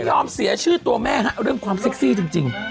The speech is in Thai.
เสียชื่อตัวแม่ฮะเรื่องความเซ็กซี่จริง